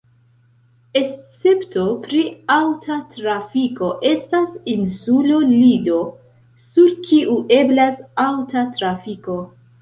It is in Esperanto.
Escepto pri aŭta trafiko estas insulo Lido, sur kiu eblas aŭta trafiko.